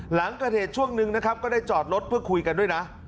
หลังเกิดเหตุช่วงนึงนะครับก็ได้จอดรถเพื่อคุยกันด้วยนะ